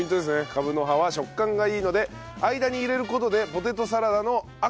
カブの葉は食感がいいので間に入れる事でポテトサラダのアクセントになると。